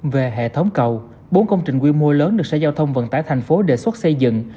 về hệ thống cầu bốn công trình quy mô lớn được sở giao thông vận tải thành phố đề xuất xây dựng